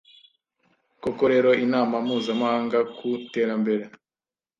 Koko rero, Inama Mpuzamahanga ku Iterambere